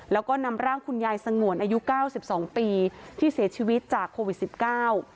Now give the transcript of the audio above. แล้วก็นำร่างคุณยายสงวนอายุเก้าสิบสองปีที่เสียชีวิตจากโควิดสิบเก้า